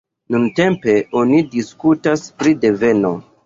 Nuntempe oni diskutas pri deveno.